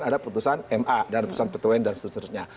ada putusan ma dan ada putusan pt un dan seterusnya